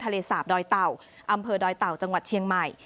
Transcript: สาบดอยเต่าอำเภอดอยเต่าจังหวัดเชียงใหม่